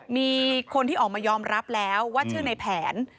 มีคนที่ออกมายอมรับแล้วว่าชื่อในแผน